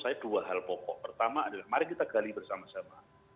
saya dua hal pokok pertama adalah